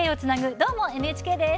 「どーも、ＮＨＫ」です。